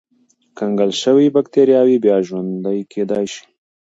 کنګل شوې بکتریاوې بیا ژوندی کېدای شي.